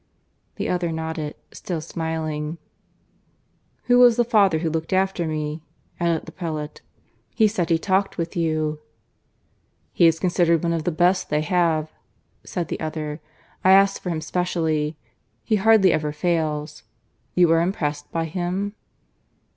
The other nodded, still smiling. "Who was the Father who looked after me?" added the prelate. "He said he had talked with you." "He is considered one of the best they have," said the other "I asked for him specially. He hardly ever fails. You are impressed by him?"